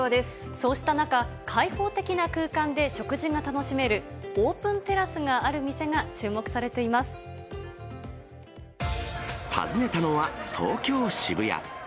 そうした中、開放的な空間で食事が楽しめる、オープンテラスがある店が注目さ訪ねたのは、東京・渋谷。